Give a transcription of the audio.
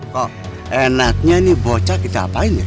kok enaknya nih bocah kita apain ya